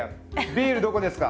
ビールどこですか？